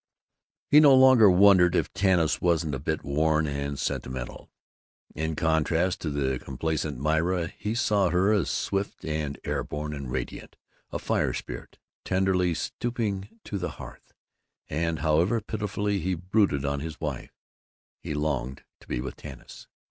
He no longer wondered if Tanis wasn't a bit worn and sentimental. In contrast to the complacent Myra he saw her as swift and air borne and radiant, a fire spirit tenderly stooping to the hearth, and however pitifully he brooded on his wife, he longed to be with Tanis.